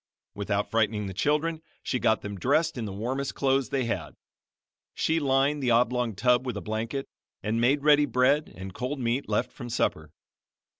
Without frightening the children she got them dressed in the warmest clothes they had. She lined the oblong tub with a blanket, and made ready bread and cold meat left from supper.